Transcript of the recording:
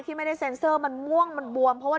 ที่ไม่ได้เซนเซอร์มันม่วงมันบวม